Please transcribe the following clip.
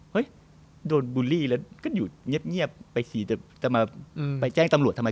โดนบูลลี่แล้วก็อยู่เงียบไปสิจะมาไปแจ้งตำรวจทำไม